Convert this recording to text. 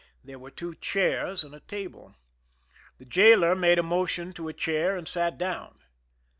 There were two chairs and a table. The jailer made a motion to a chair, and we sat down.